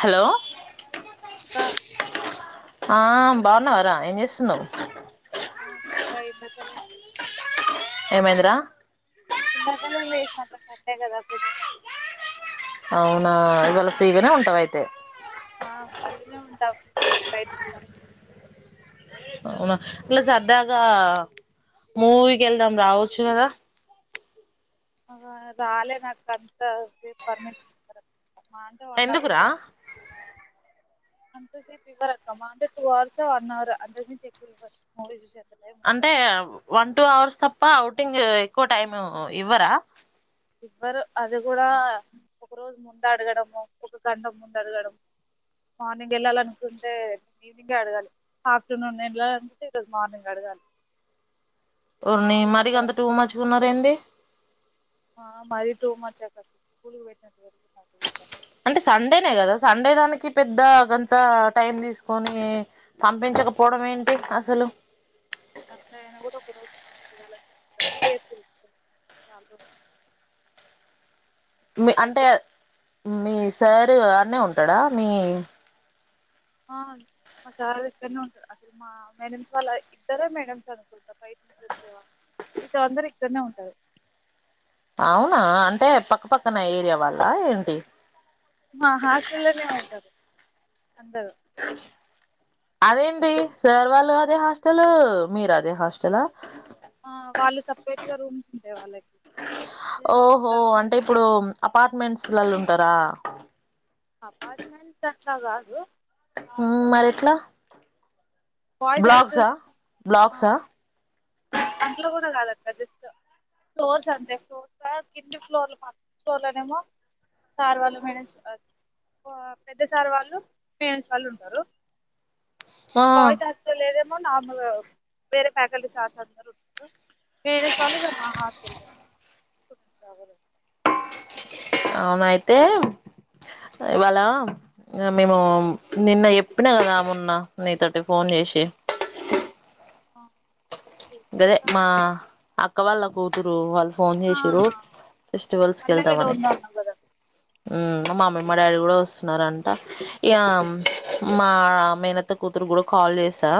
Hello అ ఆ బాగున్నావరా ఏం చేస్తున్నావు ఆ బాగున్నా [unintelligible] ఏమైందిరా ఇందకాల లే కట్టే కట్టే కద కు అవునా ఇవాళ ఫ్రీగానే ఉంటావ అయితే ఆ ఫ్రీగా ఉంటాం బయటకి వెళ్దాం అవునా అట్లా సరదాగా మూవీకి వెళ్దాం రావచ్చు కదా ఆ రాలేను అక్క అంతసేపు పర్మిషన్ ఇవ్వరు అక్క మాహ అంటే వన్ ఎందుకురా అవర్ అంత సేపు ఇవ్వక్కమా అంటే టూ అవర్స్ వన్ అవర్ అకువవ్వూ అంటే వన్ టూ అవర్స్ తప్ప అఔటింగ్ ఎక్కువ టైం ఇవ్వరా ఎవ్వరు అది కూడా ఒకరోజు ముంద అడగడము ఒక గంట ముంద అడగడ మార్నింగ్ వెళ్ళాలనుకుంటే ఈవినింగే అడగాలి ఆఫ్టర్నూన్ వెళ్ళాలనుకుంటే ఈరోజు మార్నింగ్ అడగాలి ఓరిని మరి అంత టూమచుకున్నార ఏంది ఆ మరిీ టూ మచ్చా కస స్కూ పెట్న అంటే సండేనే కదా సండే దానికి పెద్ద పెద్ద కొంత టైం తీసుకొని పంపించకపోవడం ఏంటి అసలు అంద ఆయన కూడా ఒక రోజు ముడులా డబ్బ చాలా రజు మీ అంటే మీ సారు అడ్నే ఉంటా ఇక్కడ మీ ఆ మా సార్ ఇక్కడనే ఉంటారు అసలు మా మేడమ్స్ వాళ్ళ ఇద్దర మేడమ్స్ అనుకుంటా బైట నుంచి వచ్చేవా మీతో అందరు ఇక్కడనే ఉంటారు అవునా అంటే పక్కపక్కన ఏరియా వాళ్ళ ఏంటి మా హాస్టల్ల్లోనే ఉంటారు అందరు అదేంటి ఫుడ్ సేర్వాలో హాస్టల్ మీరాదే హాస్టల్ ఆ వాళ్ళు సపరేట్గా రూమ్స్ ఉంటాయి వాళ్ళకి అదే రూమ్ ఓహో అంటే ఇప్పుడు అపార్ట్మెంట్స్ లళ ఉంటారా గా అ హ మరిట్లా బాయ్స్ బ్లాగ్సా హాస్టల్స్ బ్లాగ్సా అందులో కూడా కాదంట జస్ట్ ఫ్లోర్స్ అంతే ఫ్లోర్స్ కిన్ని ఫ్లోర్లు ప ఫ్లోర్ లోనేమో సార్ వాళ్ళు మేనేస్ పెద్ద సార్ వాళ్ళు మేనేస్ వాళ్ళు ఉంటారు ఆ బాయ్స్ హాస్టల్ అయితే నా వేరే ఫ్యాకల్టీ చార్జ మేడ చాలగా మా హాలు అవునయితే ఇవాళ మేము నిన్న ఎప్పినా కదా మొన్న నీతోటి ఫోన్ చేసి గదే మా అక వాల్ళల కూతురు వాల్ ఫోన్ చేసి ర ఫెస్టివల్స్ పండగ కళ్తా ఏదో మన ఉందన్నావు కదా మామీ మా డాడీ కూడా వస్తున్నారంట ఇ మా మేనత్త కూతురు కూడా కాల్ చేసా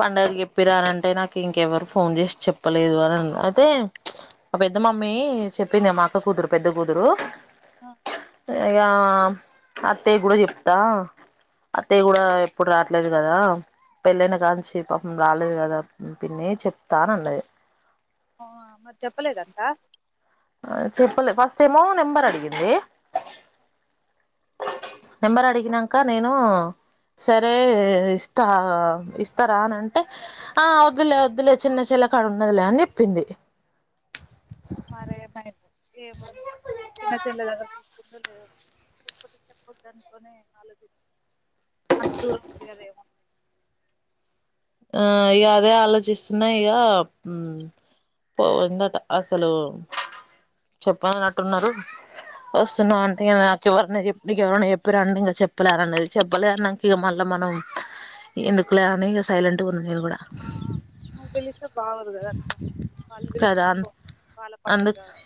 పంండగకి చెప్పిరానంటే నాకు ఇంకెవరు ఫోన్ చేసి చెప్పలేదు అని అయితే ఆ పెద్ద మమ్మీ చెప్పింది ఆ మాక్క కుతురు పెద్ద కూతురు ఆ ఇక అత్తయ్య కూడా చెప్తా అత్తయ్య కూడా ఎప్పుడు రాట్లేదు కదా పెళ్ళైన కాంచి ప రాలేదు కదా పిన్నే చెప్తాను అన్నది ఆ మరి చెప్పలేదంతా ఆ చెప్పలే ఫస్ట్ ఏమో నెంబర్ అడిగింది నెంబర్ అడిగినాక నేను సరే ఇస్తా ఇస్తారా అనింటే ఆ వద్దులే వద్దులే చిన్న చిల్ల కాడ ఉన్నదులే అని చెప్పింది మరే బయ ఏం చిన్న చెల్ల దగ్గర తీసుకుంటూ లేదు చెప్పద్ చెప్పొద్ దాంట్లోనే ఆలోచించి అంత దూరం ఉంది కదా ఏమంటంది ఇక అదే ఆలోచిస్తున్నా ఇక పోందట అసలు చెప్పాలన్నట్టున్నారు వస్తున్నా అంటే ఇ నాకు ఎవరినా చెప్ప ఇక ఎవరనా చెప్పారంట ఇంక చెప్పలేరు అనేది చెప్పలే నాక ఇక మళ్ళా మనం ఎందుకులే అని ఇక సైలెంట్ ఆ నువ్వు పిలిస్తే బాగోదు కదా అక్క వాళ్ళు కదా పిలిస్తేనే అ పో వాళ్ళ పండగ అందు కాదు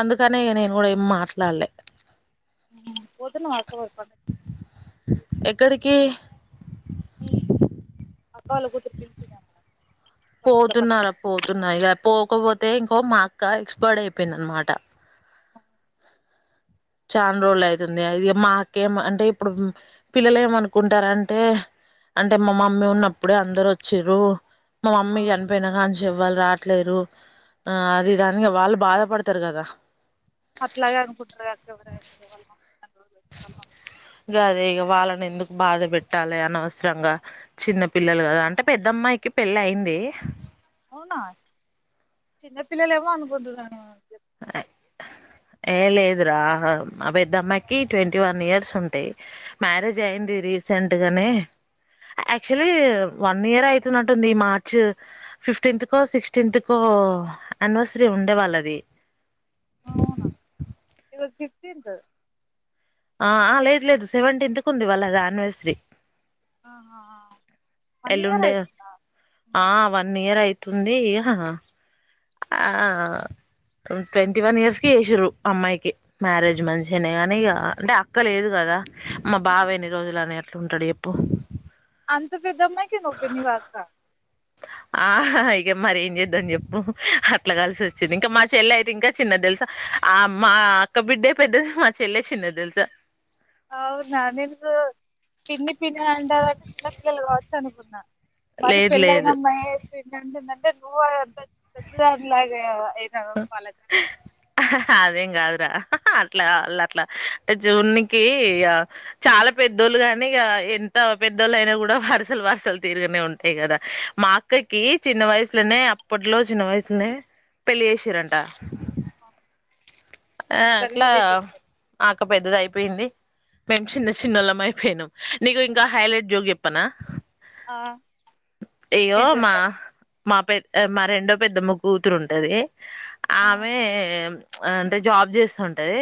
అందుకనే నేను కూడా ఇమా అస్లాళ పోతున్నావా పండగకి ఎక్కడికి మీ అప్పాల గుర్తు పిలిచదాము పోతున్నారా పోతున్నారు ఇక పోకపోతే ఇంకో మాకు ఇంకా ఎక్స్పర్ట్ అయిపోయింది అనమాట చాన్రోజులు అయితుంది అది మాకేం అంటే ఇప్పుడు పిల్లలు ఏమ అనుకుంటార అంటే అంటే మామమ్మీ ఉన్నప్పుడే అందరు వచ్చారు మా ఆ మమ్మీ చనిపోయిన కానీ చెవ్వాలి రా లేరు ఆ అది దానినికి వాళ్ళు బాధపడతారు కదా అట్లాగే అనుకుంటు వాళ్ళ మమ్మీ ఇక పిలిచింది. అదే ఇక వాళ్ళని ఎందుకు బాధ పెట్ట మల్లి అనవసరంగా చిన్న పిల్లలు కదా అంటే పెద్దమ్మాయికి పెళ్ళ అయింది అవునా చిన్నపిల్లలు ఏమో అనుకుంటున్నాను చెప్తుంది ఏ లేదు రా మా పెద్దమ్మాయికి ట్వంటీ వన్ ఇయర్స్ ఉంటాయి మ్యారేజ్ అయింది రీసెంట్గానే యాక్చువల్లీ వన్ ఇయర్ అవుతున్నట్టుంది మార్చ్ ఫిఫ్టీన్త్కో సిక్స్టీన్త్కో అనివర్సరీ ఉండే వాళ్ళది అవునా ఇరోజ ఫిఫ్టీన్త్ ఆ లేదు లేదు సెవెంటీన్త్ కు ఉంది వాళ్ళది అనివర్సరీ ఆహా వన్ ఇయర్ ఎలుండే అయితుందా ఆ అమ్మాయిది వన్ ఇయర్ యితే తుంద ఇా ట్వంటీ వన్ ఇయర్స్కి చేసిర్రు అమ్మాయికి మ్యారేజ్ మంచినే కానీ ఇక అంటే అక్క లేదు కదా మా ఆ, బావ ఎన్ని రోజులునే అట్లా ఉంటాడు ఎప్పుడు అంత విద్దమ్మాకి నవప్పనివాస ఆ ఇక మర ఏం చేద్దాం చెప్పు అట్లా కలిసి వచ్చింది. ఇంకా మా చెల్లె అయితే ఇంకా చిన్నది తెలుసా. ఆ మా మా అక్క బిడ్డఏ పెద్దది. మా చెల్లె చిన్నది. తెలుసా అవును న ప్ పి అంటంటే చిన్న పిల్లలు కావచ్చు అనుకున్నా మరి లేదు పెళ్ళఅయినా లేదు అమ్మాయి పి అంటే నూంత పెద్దదలాగ హ్హ్ అదేంగాదురా అట్లా వాళ అట్లా అంటే జూనికి చాలా పెద్దోళ్ళు గాని ఇక ఎంత పెద్దోళ్ళ అయినా కూడా, వరసలు వరసలు తీరుగానే ఉంటాయి కదా. మా అక్కకి చిన్న వయసులోనే అప్పట్లో చిన్న వయసులోనే. పెళ్ళి చేసిరంట ఆ ఆ అట్లా ఆఅక్క పెద్దది అయిపోయింది మేం చిన్న చిన్నళ్ళం అయిపోయానుం నీకు ఇంకా హైలైట్ జోగు చెప్పనా ఆ ఇగో ఏం మా చేస్తాది మా పెద్ మా రెండో పెద్దమ్మ కూతురు ఉంటది ఆ. ఆమె అ అంటే జాబ్ చేస్తుంటది.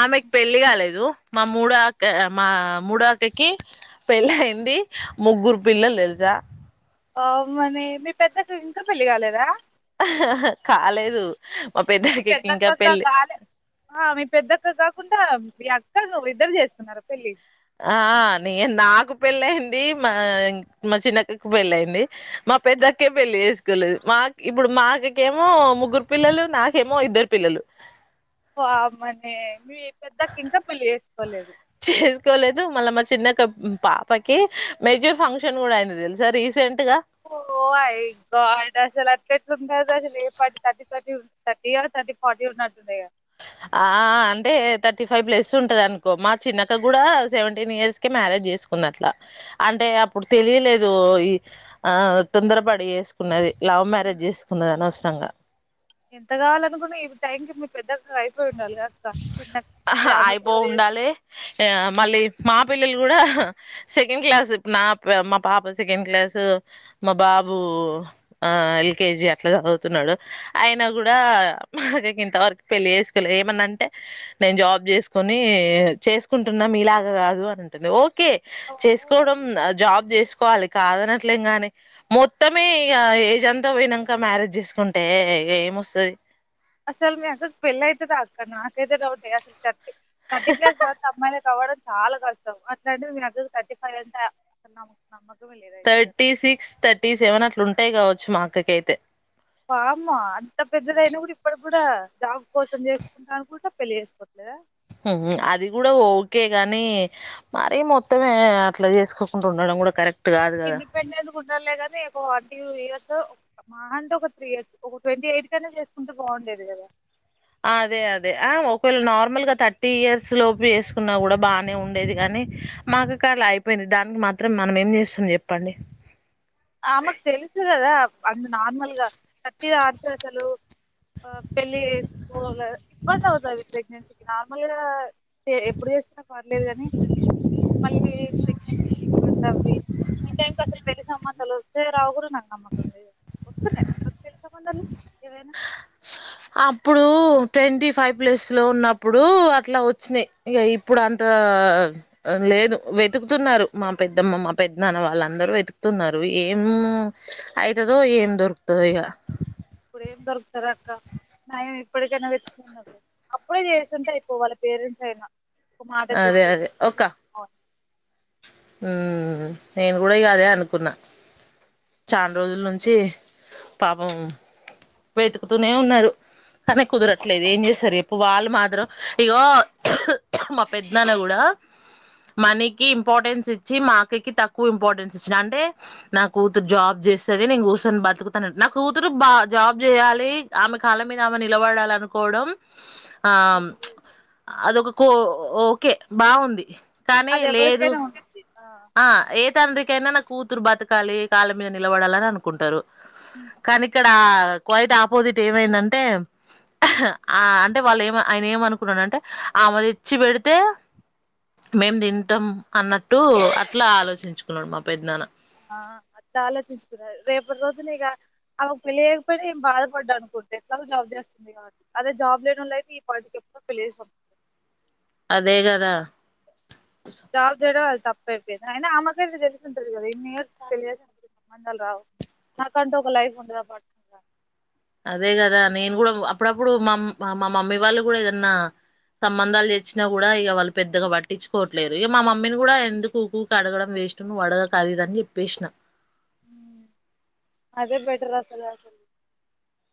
ఆమెకి పెళ్లి కాలేదు మా మూడ అక్క మా మూడో అక్కకి పెళ్లి అయింది. ముగ్గురు పిల్లలు తెలుసా. అవు మని మీ పెద్ద అక్కకి ఇంకా పెళ్ళి కాలేదా హ్ హ్ హ కాదు పెద్దక్కగా కాలే మీ పెద్దక్క కాకుండా మీ అక్క నువ్వు ఇద్దరు చేసుకున్నారా పెళ్ళి ఆ నేన్ నాకు పెళ్ళి అయింది. మా మా చిన్నక్కకు పెళ్ళి అయింది. మా పెద్దక్కే పెళ్లి చేసుకోలేదు. మా ఇప్పుడు మా అక్కకేమో ముగ్గురు పిల్లలు. నాకేమో ఇద్దరు పిల్లలు. పాపం అంటే చేసుకోలేదు మళ్ళా మా చిన్న అక్క పాపకి మేజర్ ఫంక్షన్ కూడా అయినది తెలుసా రీసెంట్ గా ఓ గాడ్ సెలెక్ట్ అస ఏ ఫటీ థర్టీ థర్టీ థర్టీ యో ఫార్టీన్నట్టుంది ఆ అంటే థర్టీ ఫైవ్ ప్లస్ ఉంటంది అనుకో. మా చిన్నక్క కూడా సెవెంటీన్ ఇయర్స్కే మ్యారేజ్ చేసుకుంది. అట్లా అంటే అప్పుడు తెలియలేదు ఈ ఆ తొందరపడి చేసుకున్నది. లవ్ మ్యారేజ్ చేసుకున్నది అనవ్స్ సంగా ఎంత కావాలినుకున్నా ఈ టైంకి మీ పెద్ద అదే హ ఆమె అయిపో కవర్ ఉండాలి ఆ మళ్ళీ మా పిల్లలు కూడ సెకండ్ క్లాస్ నా మా పాప సెకండ్ క్లాస్ మా బాబు ఎల్కేజీ అట్లా చదువుతున్నాడు. ఆయన కూడా మా ఇంతవరకు పెళ్ళి చేేసు ఏమనంటే నేను జాబ్ చేసుకుని చేసుకుంటున్నాం మీలాగ కాదు అనిండు ఓ ఓకే చేసుకుంటామో చేసుకోవడం జాబ్ చేసు కోవాలి కాదనట్లేం గాని మొత్తమే ఇక ఏజ్ అంతా పోయినాక మ్యారేజ్ చేసుకుంటే ఏమొస్తది అసలు మీ అక్కకి పెళ్ళైతదా అక్క నాకసలు డౌట్ థర్టీ ప్లస్ అమ్మాయిలు కావడ చాలా కష్టం అట్లాంటే మీగ థర్టీ ఫైవ్ అంతా అమ్ నమ్ం థర్టీ సిక్స్ థర్టీ సెవెన్ అట్లు ఉంటాయి కావచ్చు మాకు కేతే బామ్మ అంత పెద్దదయినా కూడా ఇప్పడు కూడా జాబ్ కోసం చేసుకుంటా అను కూడా పెళ్లి చేసుకోవట్లేద అది కూడా ఓకే గాని మరీ మొత్తమే అట్లా చేసుకోకుండా ఉండడం కూడా కరెక్ట్ గాదు గదా! ఇండిపెండెంట్ కుంటగా ఒక వీూ ఇయర్స్ మా అంటే ఒక త్రీ ఇయర్స్ ఒక ట్వంటీ ఎయిట్ కనే చేసుకుంటూ బాగుండేది కదా అదే అదే ఆ ఒకవేళ నార్మల్ గా థర్టీ ఇయర్స్ లోపు వేసుకున్నా కూడా బాగానే ఉండేది కానీ మాకు కాళ్ళ అయిపోయింది దానికి మాత్రం మనం ఏం చేస్తాం చెప్పండి ఆమగ తెలిసదదా అందు నార్మల్గా ప్రతి దతే అసలు పెళ్ళి స్కూల్ ఇబ్బంది అవుతుంది ప్రెగ్నెన్సీకి నార్మల్ గా ఎప్పుడు చేస్తున్నా పర్లేదు కానీ మళ్ళీ ప్రెగ్నెన్సీ ఇబ్బంది అవవి ఈ టైం క అసలు పెళ్లి సంబంధ సల సేర్ ఆవుగురు నా నమ్మకందిదు అదే సంబంధాలు ఇవేనా అప్పుడు ట్వంటీ ఫైవ్ ప్లస్ లో ఉన్నప్పుడు అట్లా వచ్చినాయి ఇక ఇప్పుడు అంత లేదు వెతుకుతున్నారు మా పెద్దమ్మ మా పెద్ద నాన్న వాళ్ళందరూ వెతుకుతున్నారు ఏం అవుతుదో ఏం దొరుకుతుందో ఇక ఇప్పుడు ఏం దొరుకుతారు అక్క నయం ఇప్పటికైనా వెతున్న అప్పుడే చేస్తుంటే అయిపో వాళ్ళ పేరెంట్స్ అయినా ఒక మాట అదే చెప్పి అదే ఇంకా ఒక్క చేసుకోవాలి నేను కూడా ఇక అదే అనుకున్నా చాలా రోజుల నుంచి పాపం వెతుకుతూనే ఉన్నారు కానీ కుదరట్లేదు ఏం చేశారు ఎప్పుడు వాళ్ళు మాత్రం ఇగో పెద్దన్న కూడా మనీకి ఇంపార్టెన్స్ ఇచ్చి మా అక్కకి తక్కువ ఇంపార్టెన్స్ ఇచ్చి అంటే నా కూతురు జాబ్ చేస్తేది నేను కూర్చొని బతుకుతాను నా కూతురు బా జాబ్ చేయాలి ఆమె కళ్ాల మీద ఆమె నిలబడాలి అనుకోవడం ఆ అది అదక కో ఓకే బాగుంది కానీ అది లేదు ఎవరికైనా ఉంటుంది ఆ ఏ తండ్రిికైనా నాకు కూతురు బతకాలి కాళ్ళ మీద నిలబడాలని అనుకుంటారు కానీ ఇక్కడ క్వైట్ ఆపోజిట్ ఏమైందంటే ఆ అంటే వాళ్ళు ఏమ ఆయన ఏమనుకున్నాను అంటే ఆమెది వచ్చి పెడితే మేము తింటాం అన్నట్టు అట్లా ఆలోచించుకున్నాడు మా పెద్నాన్న ఆ చాలాచించుకున్నారు రేపటి రోజున ఇక ఆకు పెళ్లియకపోయినా ఏం బాధపడ్డా అనుకుంటే ఎట్లా జాబ్ చేస్తుంది కాబట్టి అదే జాబ్ లేని అయితే ఈ పాలిటీకి ఎప్పుడ పెళ్లిేసింది అదే కదా చ జడ అ తప్పపోది అయినా ఆమెకైతే తెలిసి ఉంటది కదా ఇన్ని ఇయర్స్ తెలి సంబంధాలు రావు నాకంటే ఒక లైఫ్ ఉండదా పట్ అదే కదా నేను కూడా అప్పుడప్పుడు మా మా మమ్మీ వాళ్ళు కూడా ఏదన్నా సంబంధాలు తెచ్చినా కూడా ఇక వాళ్ళు పెద్దగా పట్టించుకోవట్లేరు ఇక మా మమ్మీని కూడా ఎందుకు ఉకుకి అడగడం వేస్ట్ వడగ కాదు ఇదని చెప్పేసిన అదే బెటర్ అసల అసలు